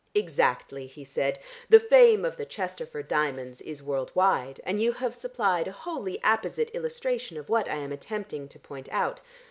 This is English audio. "Exactly," he said. "The fame of the Chesterford diamonds is world wide, and you have supplied a wholly apposite illustration of what I am attempting to point out.